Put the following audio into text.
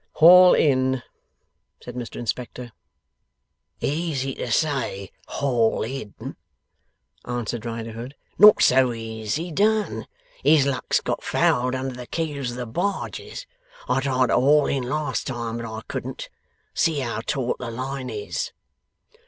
'Haul in,' said Mr Inspector. 'Easy to say haul in,' answered Riderhood. 'Not so easy done. His luck's got fouled under the keels of the barges. I tried to haul in last time, but I couldn't. See how taut the line is!